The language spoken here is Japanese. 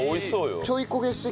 ちょい焦げして。